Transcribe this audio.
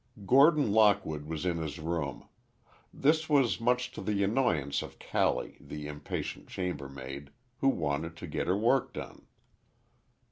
Gordon Lockwood was in his room. This was much to the annoyance of Callie, the impatient chambermaid, who wanted to get her work done.